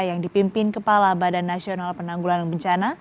yang dipimpin kepala badan nasional penanggulan bencana